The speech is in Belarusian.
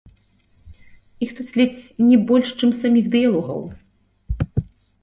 Іх тут ледзь не больш, чым саміх дыялогаў.